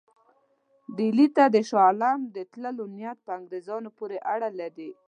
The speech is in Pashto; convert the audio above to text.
ډهلي ته د شاه عالم د تللو نیت په انګرېزانو پورې اړه لري.